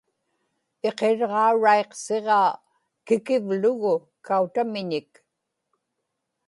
iqirġauraiqsiġaa, kikivlugu kautamiñik